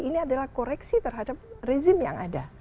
ini adalah koreksi terhadap rezim yang ada